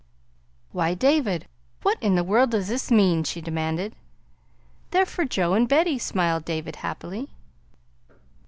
"Why, David, what in the world does this mean?" she demanded. "They're for Joe and Betty," smiled David happily.